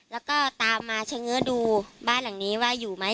แล้วก็ตามมาเฉง้อดูบ้านหลังนี้ว่าอยู่ไหม